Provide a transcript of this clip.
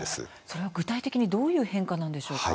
それは具体的にどういう変化なんでしょうか？